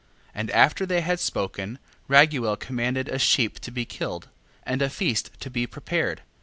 7:9. And after they had spoken, Raguel commanded a sheep to be killed, and a feast to be prepared.